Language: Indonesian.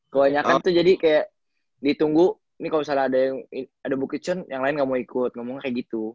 kebanyakan tuh jadi kayak ditunggu nih kalo misalnya ada yang ada bukit sion yang lain gak mau ikut ngomong kayak gitu